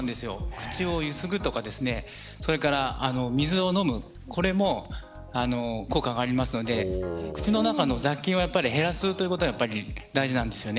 口をゆすぐとか水を飲む、これも効果がありますので口の中の雑菌を減らすということが大事なんです。